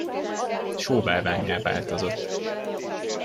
Sóbálvánnyá változott.